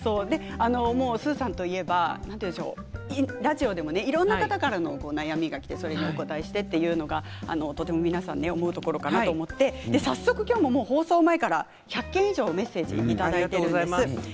スーさんといえばラジオでもいろんな方からの悩みがきてそれにお応えしてということがとても皆さん思うところかなと思って早速、今日の放送前から１００件以上メッセージをいただいています。